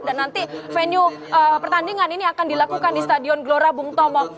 dan nanti venue pertandingan ini akan dilakukan di stadion gelora bung tomo